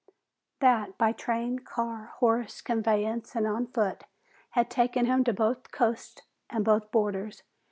That, by train, car, horse conveyance and on foot, had taken him to both coasts and both borders.